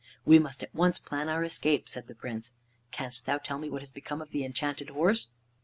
"We must at once plan our escape," said the Prince. "Canst thou tell me what has become of the Enchanted Horse?"